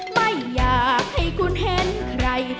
ไม่อยากให้คุณเห็นใคร